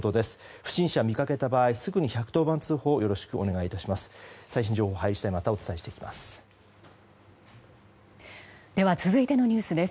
不審者を見かけた場合すぐに１１０番通報をよろしくお願いします。